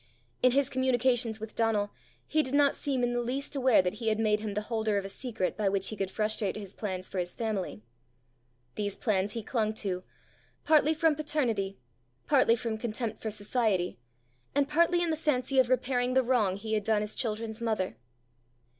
In his communications with Donal, he did not seem in the least aware that he had made him the holder of a secret by which he could frustrate his plans for his family. These plans he clung to, partly from paternity, partly from contempt for society, and partly in the fancy of repairing the wrong he had done his children's mother.